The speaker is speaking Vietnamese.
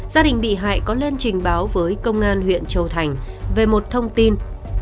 gia đình bị hại có lên trình báo với công an huyện châu thành về một thông tin